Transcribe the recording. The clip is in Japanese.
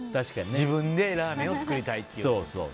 自分でラーメンを作りたいっていう。